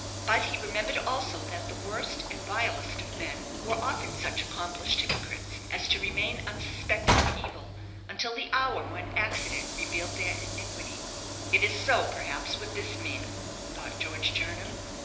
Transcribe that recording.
But he remembered also that the worst and vilest of men were often such accomplished hypocrites as to remain unsuspected of evil until the hour when accident revealed their iniquity. "It is so, perhaps, with this man," thought George Jernam.